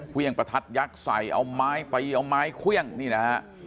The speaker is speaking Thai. เครื่องประทัดยักษ์ใส่เอาไม้ไปเอาไม้เครื่องนี่นะฮะ